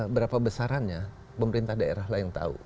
berapa besarannya pemerintah daerah lah yang tahu